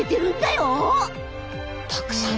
たくさん！